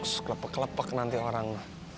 sus kelapa kelapa nanti orang